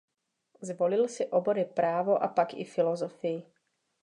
Zvolil si obory právo a pak i filozofii.